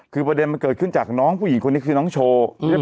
คือประเด็นมันเกิดขึ้นจากน้องผู้หญิงคนนี้คือน้องโชว์